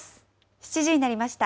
７時になりました。